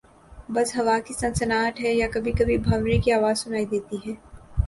بس ہوا کی سنسناہٹ ہے یا کبھی کبھی بھنورے کی آواز سنائی دیتی ہے